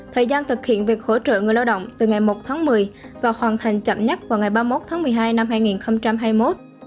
thời gian thực hiện việc hỗ trợ người lao động từ ngày một tháng một mươi và hoàn thành chậm nhất vào ngày ba mươi một tháng một mươi hai năm hai nghìn hai mươi một